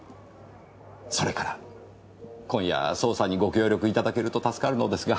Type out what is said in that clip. それから今夜捜査にご協力いただけると助かるのですが。